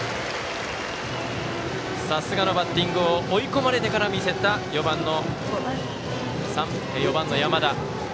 さすがのバッティングを追い込んでから見せた４番の山田。